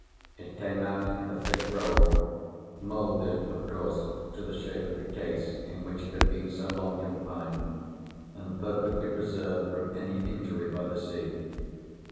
It came out in a thick roll, moulded, of course, to the shape of the case in which it had been so long confined, and perfectly preserved from any injury by the sea.